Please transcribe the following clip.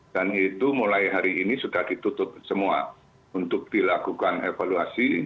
dan itu mulai hari ini sudah ditutup semua untuk dilakukan evaluasi